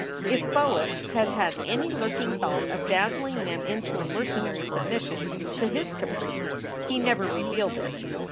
If Boas had had any lurking thought of dazzling Mem into a mercenary submission to his caprice, he never revealed it.